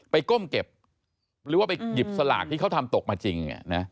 ก้มเก็บหรือว่าไปหยิบสลากที่เขาทำตกมาจริง